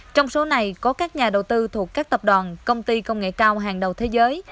trong số này có các nhà đầu tư thuộc các tập đoàn công ty công nghệ cao hàng đầu thế giới